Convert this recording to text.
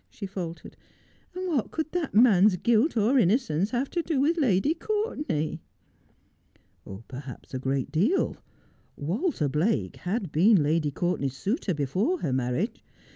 ' she faltered ;' and what could that man's guilt or innocence have to do with Lady Courtenay ?'' Perhaps a great deal. Walter Blake had been Lady Cour tenay's suitor before her marriage.